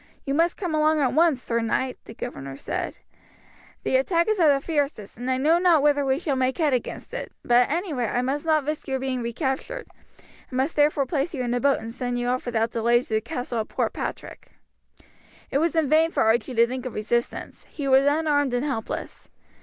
"You must come along at once, sir knight," the governor said. "The attack is of the fiercest, and I know not whether we shall make head against it, but at any rate I must not risk your being recaptured, and must therefore place you in a boat and send you off without delay to the castle at Port Patrick." It was in vain for Archie to think of resistance, he was unarmed and helpless.